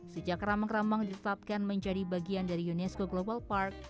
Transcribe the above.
sejak ramang ramang ditetapkan menjadi bagian dari unesco global park